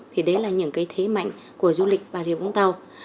thì đấy là những thế mạnh của du lịch bà địa vũng tàu